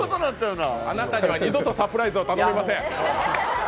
あなたには二度とサプライズを頼みません。